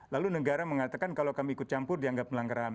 lalu negara mengatakan kalau kami ikut campur dianggap melanggaran